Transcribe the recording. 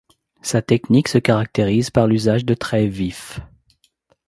Sa technique se caractérise par l'usage de traits vifs.